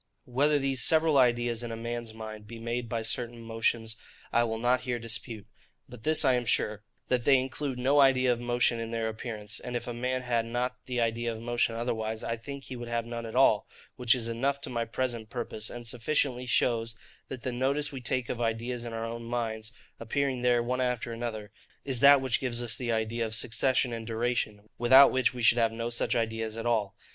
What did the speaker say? Whether these several ideas in a man's mind be made by certain motions, I will not here dispute; but this I am sure, that they include no idea of motion in their appearance; and if a man had not the idea of motion otherwise, I think he would have none at all, which is enough to my present purpose; and sufficiently shows that the notice we take of the ideas of our own minds, appearing there one after another, is that which gives us the idea of succession and duration, without which we should have no such ideas at all.